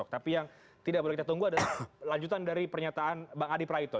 tapi yang tidak boleh kita tunggu adalah lanjutan dari pernyataan bang adi praitno